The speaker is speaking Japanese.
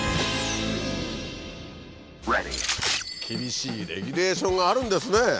厳しいレギュレーションがあるんですね。